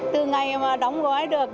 từ ngày mà đóng gói được